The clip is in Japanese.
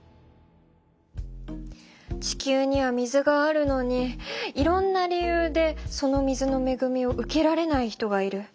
地球には水があるのにいろんな理由でその水のめぐみを受けられない人がいる。